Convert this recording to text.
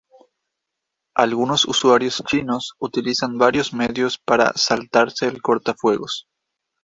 Algunos usuarios chinos utilizan varios medios para "saltarse" el cortafuegos.